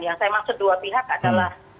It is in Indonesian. yang saya maksud dua pihak adalah